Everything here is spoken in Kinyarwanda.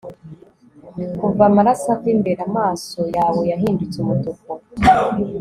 kuva amaraso ava imbere, amaso yawe yahindutse umutuku